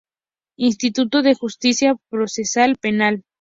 Instituto de Justicia Procesal Penal.